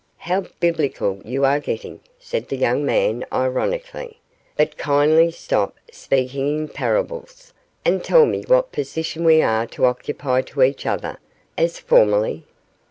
'How Biblical you are getting,' said the young man, ironically; 'but kindly stop speaking in parables, and tell me what position we are to occupy to each other. As formerly?